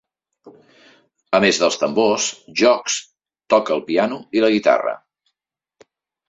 A més dels tambors, Jocz toca el piano i la guitarra.